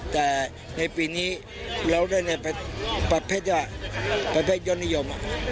แต่ในปีนี้เราได้ในประเภทยอดนิยม